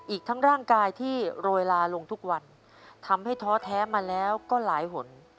อีกทั้งร่างกายที่โรยลาลงทุกวันทำให้ท้อแท้มาแล้วก็หลายหน